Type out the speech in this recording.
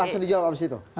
langsung dijawab abis itu